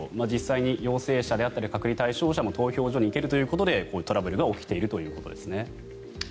実際に陽性者であったり隔離対象者も投票所に行けるということでこういったトラブルが起きているということですね。